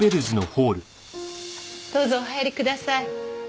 どうぞお入りください。